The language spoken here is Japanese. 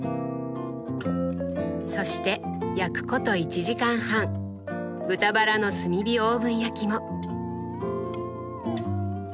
そして焼くこと１時間半豚バラの炭火オーブン焼きも。